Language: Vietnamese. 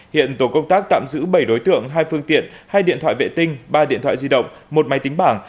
hiện tổ công tác tạm giữ bảy đối tượng hai phương tiện hai điện thoại vệ tinh ba điện thoại di động một máy tính bảng